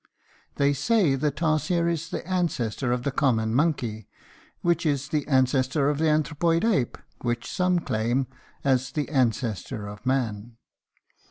They say the tarsier is the ancestor of the common monkey, which is the ancestor of the anthropoid ape, which some claim as the ancestor of man.